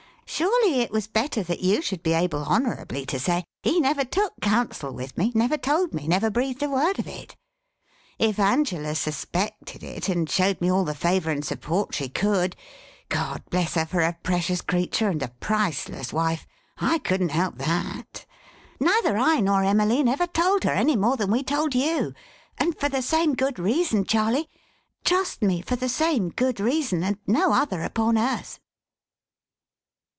Surely it was better that you should be able honourably to say, 'He never took counsel with me, never told me, never breathed a word of it.' If Angela suspected it, and showed me all the favour and support she could God bless her for a precious creature and a priceless wife! I couldn't help that. Neither I nor Emmeline ever told her, any more than we told you. And for the same good reason, Charley; trust me, for the same good reason, and no other upon earth!"